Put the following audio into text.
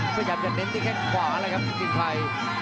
ก็อยากจะเน้นที่แค่ขวาเลยครับจริงไทย